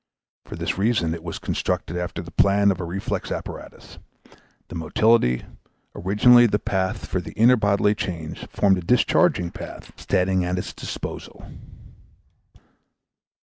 For this reason it was constructed after the plan of a reflex apparatus; the motility, originally the path for the inner bodily change, formed a discharging path standing at its disposal.